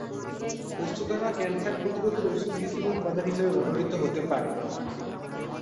পোস্তদানা ক্যান্সার প্রতিরোধের ওষুধ তৈরির উপাদান হিসেবে ব্যবহার হতে পারে।